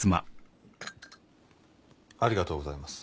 ありがとうございます。